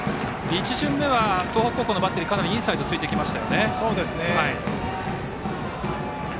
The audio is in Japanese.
１巡目は、東北高校のバッテリーかなりインサイドついてきました。